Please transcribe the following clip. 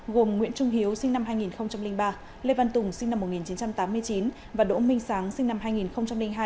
gồm nguyễn trung hiếu sinh năm hai nghìn ba lê văn tùng sinh năm một nghìn chín trăm tám mươi chín và đỗ minh sáng sinh năm hai nghìn hai